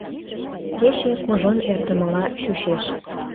Кече кужун эртымыла чучеш.